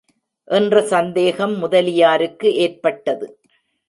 என்ற சந்தேகம் முதலியாருக்கு ஏற்பட்டது.